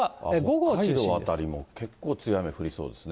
北海道辺りも結構、強い雨降りそうですね。